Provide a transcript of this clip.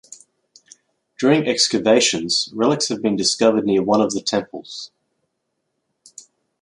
During excavations, relics have been discovered near one of the temples.